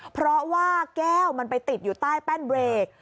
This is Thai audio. เพราะว่าแก้วมันไปติดอยู่ใต้แป้นเบรก